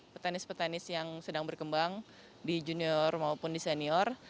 petenis petenis yang sedang berkembang di junior maupun di senior